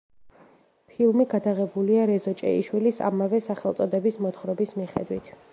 ფილმი გადაღებულია რეზო ჭეიშვილის ამავე სახელწოდების მოთხრობის მიხედვით.